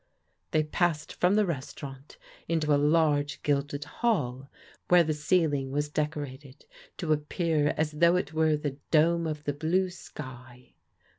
They passed from the restaurant into a large gilieA hall where the ceiling was decorated to appear as thou|^ it were the dome of the blue sky.